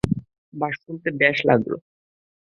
বাহ, শুনে বেশ ভালো লাগল!